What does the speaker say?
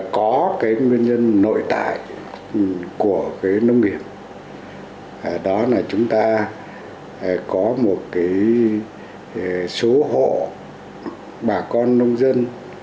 có nguyên nhân nội tại của nông nghiệp đó là chúng ta có một số hộ bà con nông dân